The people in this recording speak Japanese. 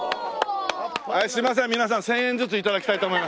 はいすいません皆さん１０００円ずつ頂きたいと思います。